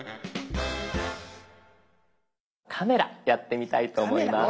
カメラやってみたいと思います。